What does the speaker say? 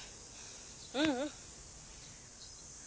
ううん。